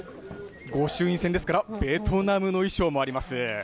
御朱印船ですから、ベトナムの衣装もあります。